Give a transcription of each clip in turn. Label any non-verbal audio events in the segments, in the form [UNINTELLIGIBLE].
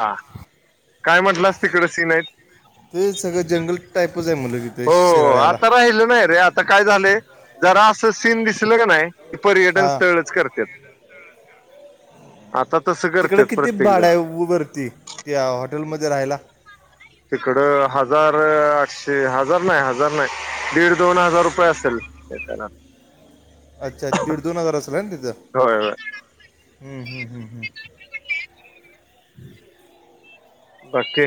हा. काय म्हटलंस तिकड सीन आहेत. ते सगळं जंगल टाईपच आहे मुलं तिथे हो शिराळ्याला आता राहिलं नाही रे आता काय झालंय जरा असं सीन दिसलं का नाही. ते पर्यटन हां स्थळच करतात. आता तसं तिकडं करतात किती प्रत्येक जण भाड्या उभरती त्या हॉटेलमध्ये राहायला. तिकड हजार आठशे हजार नाही हजार नाही दीड दोन हजार रुपये असेल. ते तर ना. अच्छा दीड दोन हजार असलय ना तिथं. होय होय हम्म हम्म हम्म हम्म बाकी.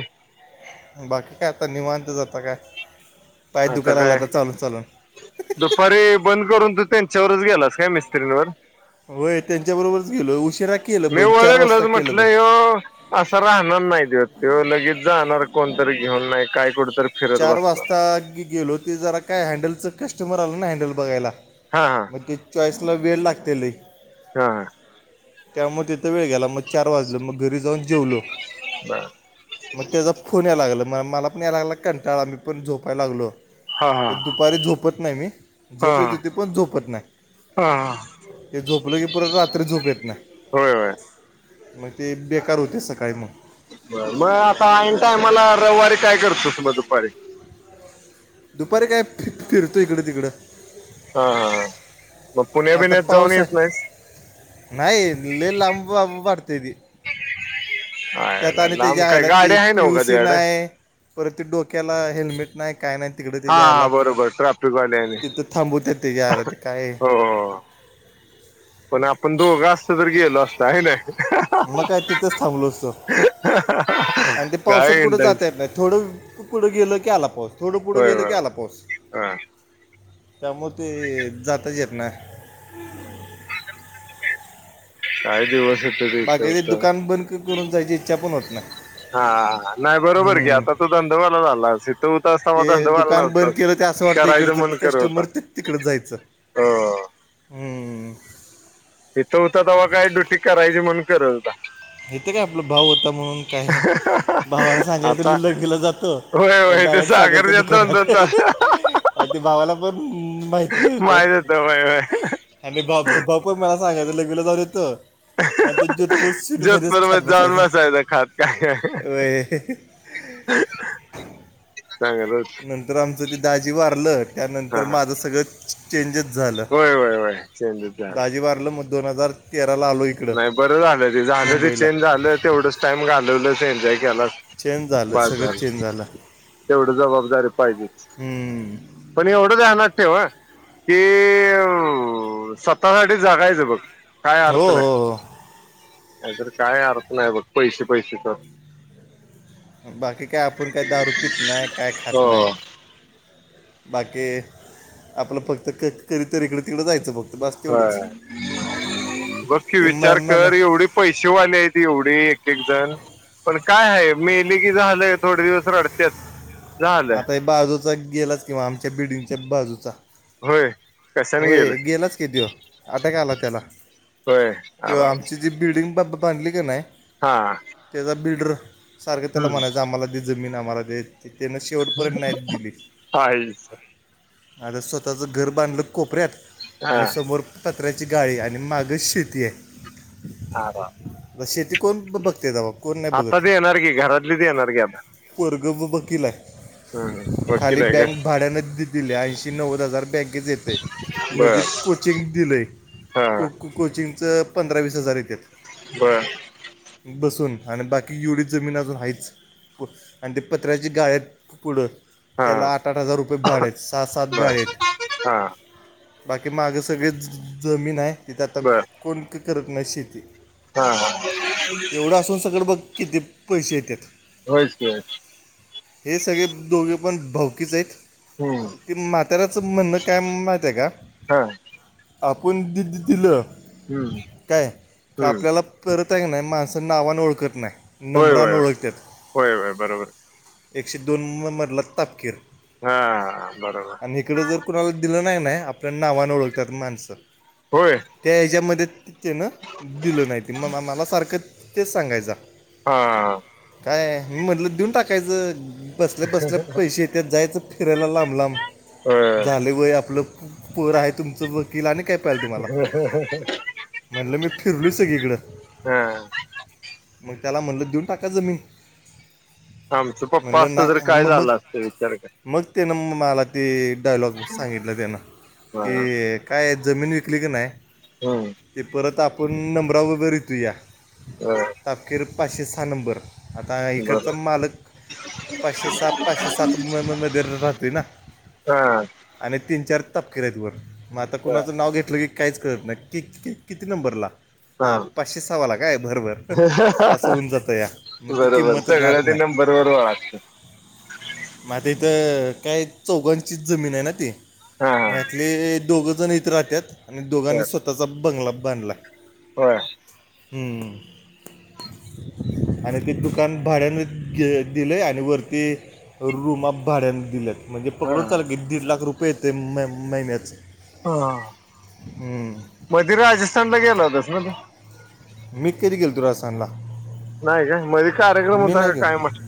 बाकी काय आता निवांत जात काय? पाय आता दुखायला काय लागला चालून चालून दुपारी बंद करून तू त्यांच्यावरच गेलास. मिस्त्रींवर. होय त्यांच्याबरोबरच गेलो उ. मी वळगलच म्हटलं असं राहणार नाही. ते लगेच जाणार कोणतरी घेऊन नाही काय कुठ? चार वाजतागी गेलो ते जरा काय हँडलचं कस्टमर आलं ना हँडल बघायला. हा हा मग ते चॉईस ला वेळ लागते ल.. हा. तेव्हा मग तिथं वेळ गेला मग चार वाजलं मग घरी जाऊन जेवलो. मग त्याचा फोन या लागला म मला पण याय लागला काण. त्याला आम्ही पण झोपायलागलो. हा हा पण दुपारी झोपत नाही मी हा झोपेत होती पण झोपत नाही. हा ते झोपलं की परत रात्री झोप येत नाही. होय होय. मग ते बेकार होते सकाळी मग मग आता टय मला रविवारी काय करतो तु म दुपारी दुपारी काय फिरतो इकडं तिकडं. हा हा मग पुण्या आता बिण्यातत जाऊन पाऊस येत आहे नाहीस. नाही लांबब पडते ती त्यात आयला आणि त्या लांब जे काय आयला गाडी ते आहे नव का पीयूसी तुझ्याकडे नाही परत ते डोक्याला हेल्मेट. नाही काय नाही तिकडं हा त्याच्या आयला हा बरोबर ट्राफिकवा तिथं थांबवतात त्याच्या आयला ते काय हो. पण आपण दोघ असत ज गेलो असत आहे ना. मग काय तिथंच थांबलो असत आणि ते पावसात काय कुठं जात इंटायच येत नाही थोडं. पुढं गेल की आला पाऊस, थोडं पुढं होय गेल की होय आला पाऊस. हा त्यामुळे ते जाताच येत नाही. काही दिवस. होत इथं ते होतं दुकान बंद करून जायची इच्छा पण होत नाही. हा नाही बरोबर की, हम्म. आता तू धंदवाला झालास इथं होतास तवा ते धंदवाला दुकान बंद नव्हतास. केलं ते असं वाटतं करायचं इकडचं कस्टमर ते तिकड जायचं. ह. हम. तेव्हा काय ड्युटी करायची म्हणून करत होता. इथं काय आपला भाऊ होता म्हणून काय. भावाला सांगायच आता लगविला जातो, होय आणि होय ते डायरेक्ट सागरच्या दोन दोन दुकानात. तास अ ते भावाला पण माहिती होत. माहित होय होय आणि भा भाऊ पण मला सांगायत होता लागविला जाऊन येतो आणि ते जोधपूरसी. बरोबर जाऊन बसायच खात काय. वय [UNINTELLIGIBLE] होत नंतर आमचं ते दाजी वारलं हा त्यानंतर माझं सगळं चेंजेस. झाल होय होय होय चेंजच झालं दाजी वारल मग दोन हजार तेरा. नाही बरं झालं त झालं ते चेंज झालं तेवढंच टाइम घालवलं. गेला चेंज झालं बास सगळं झाल, चेंज झालं तेवढ जबाबदारी पाहिजे. हम्म. पण एवढं ध्यानात ठेव. कि स्वतःसाठीच जगायचं बघ काय हो अर्थ नाही. हो. नाहीतर काय अर्थ नाही बघ पैसे-पैसे करून. बाकी काय आपण काही दारू पित नाही, काय खात हो नाही. बाकी आपलं फक्त क कधीतरी इकडे-तिकडं जायचं बघ. होय. बघ की ते विचार मॅम मॅम कर एवढे पैसेवाले हायत एवढी. एकजण पण काय आहे, मेले की झालं थोडे दिवस रडत्यात. झालं आता हे बाजूचा गेलाच किंवा आमच्या बिल्डिंगच्या बाजूचा. होय कशाने गेलं होय गेलाच कि त्यो अटॅक आला त्याला. होय किंवा आराम आमची जी बिल्डिंग बा बांधली का नाही. हा. त्याचा बिल्डर सारखं त्याला म्हणायचं आम्हाला दे जमीन आम्हाला देे. त्यान शेवटपर्य नाही दिले. आईच आता स्वतःच घर बांधलं कोपऱ्यात हा आणि समोर. पत्र्याची गाळी आणि मागच शेती आहे. हा, हा. आता शेती कोण बघते. कोण नाही आता बघत देणार की घरातली देणार की आता. दोघं वकीला हम्म हाय. खाली वकील आहे का बँक भाड्यानच दिली ऐंशी नव्वद हजार बँकेच येते. बर मध्ये कोचिंग दिलंय हा को कोचिंगच पंधरा वीस हजार येत. बर बसून. आणि बाकी एवडी जमीन अजून हाईच आणि ते पत्र्याची गाळे आहेत फूड. हा त्याला आठ आठ हजार रुपये भाड आहेत, सहा सात बर गाळे आहेत. हा बाकी माग सगळे जमीन आहे, तिथे आता बर कोण करत नाही शेती. हा हा एवढं असून सगळं बघ किती पैसे येत्यात. होयच की. हे सगळे दोघे पण भावकीच आहेत. हम्म ते म्हाताऱ्याच म्हणणं. काय माहत हाय का, हा आपण दि, दि दिलं. हम्म काय का हम्म आपल्याला परत आहेऐ नाही, माणस नावाने ओळखत नाही. होय नम्रान होय होय ओळखतात होय होय बरोबर एकशे दोन मरला तापकेर. हा बरोबर. जर कुणाला नाही नाही आपल्या नावाने ओळखतात माणसं होय त्या हच्यामध्ये. त्यानं दिलं नाही, ते मगमला सारखं तेच सांगायचं. हा. अय मी म्हटलं देऊन टाकायचं, बसल्या बसल्या पैसे येत्या जायचं फिरायला लांब लांब. होय झाले वय आपलं पोर आहे, तुमचं वकील आणि काय. पाल तुम्हाला म्हटलं, मी फिरलो सगळीकडें. हा. त्याला म्हणलं देऊन टाका जमीन. आमचं पप्पा म्हणलं असत तर नाही काय मग झालं असतं विचार कर मग ते मला. ती डायलॉग सांगितलं त्यांन, हा की काय जमीन विकली की नाही. हम्म ते परत आपण नंबरा वगैरेेतू या ह अखेर. पाचशे सहा नंबर आता इकडचा बरोबर मालक. पाचशे सात पाचशे सात मुंब म राहतो ना. हा आणि तीन चार तपकेर आहेत, वर मग आता कुणाचं नाव घेतलं की काहीच कळत नाही क किती नंबरला. हा पाचशे सवाला काय बरोबर असं, होऊन जातं या मग ते किंमत राहत नाही. बरोबरोबर लागते. मातथ. काय चौघांची जमीन आहे ना ती, हा हा मग यातले दोघ जण इथे राहत्यात. णि दोघांनी स्वतःचा बंगला बांधला. हो. हम्म. [UNINTELLIGIBLE] आणि ते दुकान भाड्यान दिले, आणि वरती रूमा भाड्यान दिल्यात. म्हणजे हा पकडून चाल, की दीड लाख रुपये येत महिन्याच. हा मध्ये राजस्थानला गेला, होतास म मी कधी गेल तु राजसांनला. नाही का मधी कार्यक्रम मी होता का नाही काय गेलो म्हट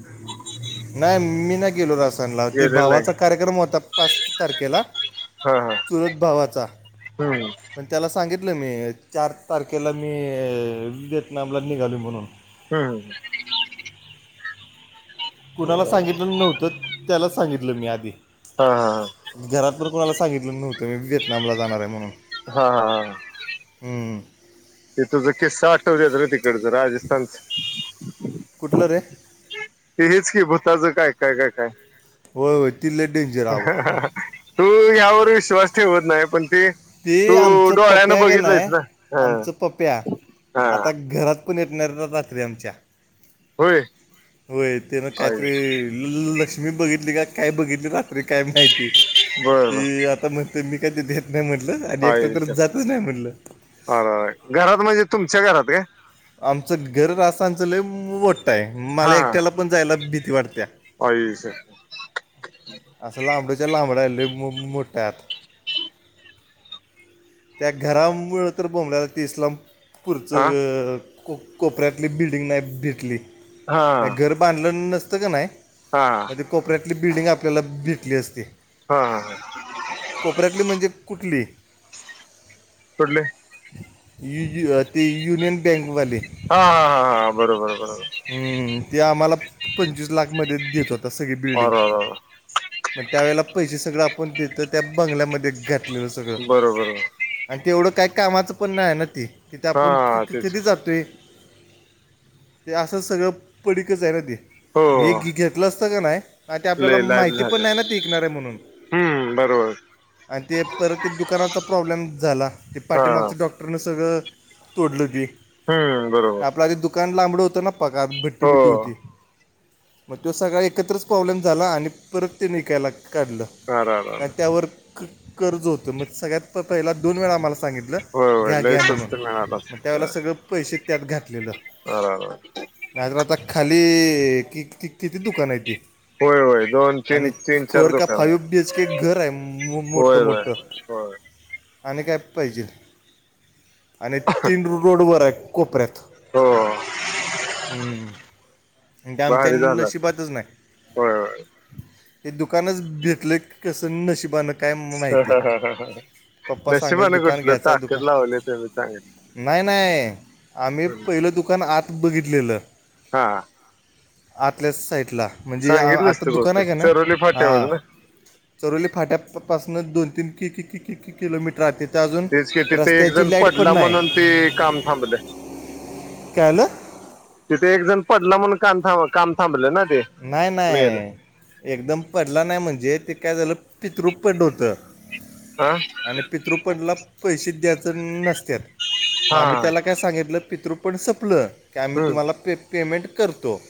नाही, मी नाही गेलो रा ती गेलेला भावाचा नाही कार्यक्रम होता पाच तारखेला. हा हा चुरत भावाचा हम्म पण त्याला सांगित. घलं मी चार तारखेला मी, वतनामला निघाल म्हणून. हम्म कुणाला सांगितलं नव्हतं, त्याला सांगितलं मी आधी. हा हा हा. कोणाला सांगितलं नव्हं, मी व्हएटनामला जाणार आहे म्हणून. हा हा हा. हम्म. तिथ ज किस्सा आठव दात ना तिकडच राजस्थानच. कुठलं रे ते हेच हेि भूताच काय, काय, काय, काय. हो हो ती लै डेंजर आवा. तू यावर विश्वास ठेवत नाही पण. ते तू ते आमचं डोळ्यानं पप्या का नाही, बघितलंयस ना हा आमचं पप्प्या हा आता घरात. ण यनातात रे आमच्या. होय [UNINTELLIGIBLE] होय ते ना आई काहीतरी ल तुम्ही बघितली का काय, बघितली रात्री काय, माहिती बर बर ती आता म्हणते मी कधी देतानाही म्हन [UNINTELLIGIBLE] घरात म्हणजे, तुमच्या घरात काय आमचं घर आसानचं लई मोटय माला हा एकट्याला हा पण जायला भीती वाट आई स अस लामडच्या लाबड आहे लई मो मोटात त्या घरामुळं तर बोमल्याला तीसला पुरच हा को कोपऱ्यातली बिल्डींग नाही भेटली. हा नाही घर बांधलं नसतं का नाही? हा हा म ते कोपऱ्यात ली बिल्डिंग आपल्याला भेटली असती, हा कोपऱ्यातली म्हणजे कुठली? कुठले? यी जी ते युूनियन हा, हा, हा, हा बरोबर, बरोबर. हं, ते आम्हाला पंचवीस लाख मध्ये देत होतं. त सगळी बिल्डिंग अर अर पण त्यावेेळेला पैसे सगळं आपण देत त्या बंगल्यामध्ये घर घेतले लं सगळं बरोबर आणि ते एवढं काही कामाचं पण नाही आहे ना ते. तिथं हा आपुण क तेच कधी जातोय ते असं सगळं पडीकच आहे ना ते, हो म हे घेतलं असतं का नाय काय ते आपल्याला लय लाईफ माहिती पण नाही झालं ना ते ईकणार आहे म्हणून. हम्म बरोबर आणि ते परत ते दुकानाचा प्रॉब्लेम झाला ते हा पाठीमागचं डॉक्टरनं सगळं तोडलं ते हं बरोबर. कान लांबडं होता ना पका भट्टी हो बिट्टी होती. मग त्यो सगळा एकत्रच प्रॉब्लेम झाला आणि परत ते नीकायला लाग. काढलं अर अर का त्यावर क कर्ज होतं मग सगळ्यात प पहिला दोन वेळा आम्हाला सांगितलं होय होय घ्या लय घ्या म्हणून, स्वस्त मिळाला मग त्यावेळेला सगळं पैसे त्यात घातलेलं. अर अर! नाहीतर आता खाली की किती दुकान आहे ते? होय होय, दोन, तीन, तीन, चार का दुकान फाईव्ह बी एच के घर आहे मो- मोठं होय होय मोठं होय. ह [INAUDIBLE] आणि काय पाहिजेल, आणि तीन रोडवर आहे कोपऱ्यात. हो. हं ते आमच्या भारी झालं नशिबातच नाही. होय होय ते दुकानच भेेटले कसं नशिबानं. काय हं माहिती हा हा हा हा. पप्पा सांगायचं नशिबाने दुकान कुठलं? घ्यायचं आहे ताकत दुकान लावली त्याला चांगली. नाही नाही आम्ही पहिलं दुकान आत बघितलेलं. हां आतल्याच साईटला म्हणजे अ सांगितलंच आता तू दुकान आहे बहुतेक कां नाही चरोली फाट्यावर हा. ना चरोली फाट्यापासूनच दोन, तीन की, कि, की किलोमीटर राहते. तेच कि तिथे एक जण पडला म्हणून ते काम थांबलय. काय आलं तिथे एक जण पडला म्हणून काम थांब, काम थांबले ना. ते नाही, मेल नाही एकदम पडला नाही म्हणजे ते. काय झालं पितृपट होतं हा आणि पितृपटला पैसे द्या. नसत्यात, मग हा आम्ही त्याला काय सांगितलं पितृ पट संपलं. की आम्ही हम्म तुम्हाला पे पेमेंट करतो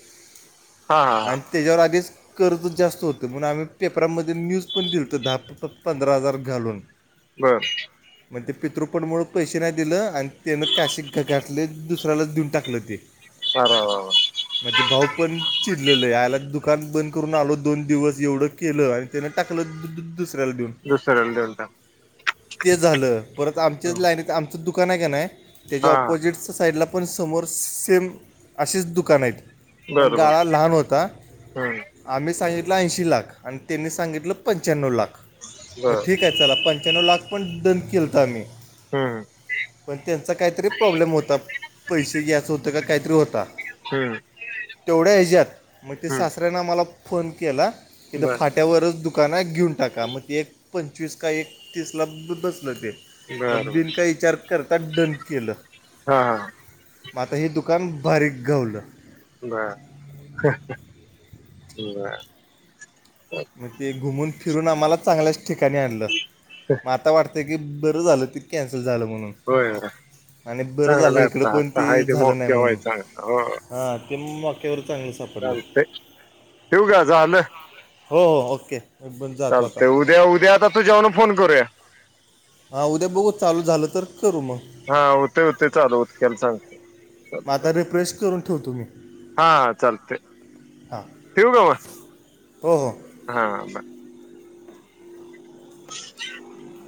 हा हा आणि त्याच्यावर आधीच कर्ज जास्त होतं म्हणून आम्ही पेपरा मध्ये न्यूज पण दिलतं दहा-पंधरा हजार घालून. बरं! अण ते पितृपटमुळे पैसे नाही दिलं आणि त्यानं काशीत का घातले दुसऱ्यालाच देऊन टाकलं ते. वा वा मध्ये भाऊ पण ला दुकान बंद करून आलो दोन दिवस एवढं केलं, आणि त्यान टाकलं दु दु दुस दुसऱ्याला देऊन टाकलं. ते झालं परत आमच्याच लाईनीत आमचं दुकान आहे का नाही? त्याच्या हा ऑपोजिट च्या साईडला पण समोर सेम असेच दुकानं आहेत. पण बरोबर! गाळा लहान होता, आम्ही सांगितला ऐशी लाख आणि त्यांनी सांगितलं पंच्याण्व लाख, मग बर ठीक आहे चला पंच्या्व लाख पण डन केलं तर आम्ही, हम्म पण त्यांचा काहीतरी प्रॉब्लेम होता पैसे घ्यायचं होतं का काहीतरी होता. हम्म! तेवढ्या ह्याच्या्यात मग ते हम्म सासऱ्यानें आमला फोन केला की ते बर फाट्यावरच दुख दुकाना घेऊन टाका मग ते एक पंचवीस का एक तीस ला बसलं ते, बर मग बर बीन काय विचार करतात डन केलं. हा, हा. मता हे दुकान बारीक घावलं. बर! [UNINTELLIGIBLE] मग ते घुमून फिरून आम्हाला चांगल्याच ठिकाणी आणलं, मग आता वाटत बरं झालं ते कॅन्सल झालं म्हणून. होय होय आणि बरं चांगलं झालं आहे इकड आता पण आता हाय ते झालं, नाही मोक्याव आहे म्हणून चांगलं हा ते माक्यावर चाल ते ठेऊ का झालं. हो हो ओके! मी पण जातो चालत आता उद्या ह- उद्या आता तूझेवण फोन करूया. हा उद्या बघू चालू झालं तर, करू मग हा होते होते चालू होते केल सां मग लत आता रिफ्रेश करून ठेवतो मी हा हा चालते, हां ठेवू का मग. हो ह हा बर [UNINTELLIGIBLE]